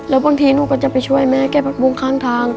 แล้วบางทีหนูก็จะไปช่วยแม่เก็บผักบุ้งข้างทาง